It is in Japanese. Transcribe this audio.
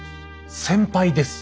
先輩です。